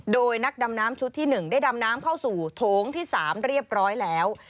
โดยนักดำน้ำชุดที่๑ได้ดำน้ำเข้าสู่โถงที่๓เรียบร้อยแล้ว